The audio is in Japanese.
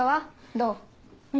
どう？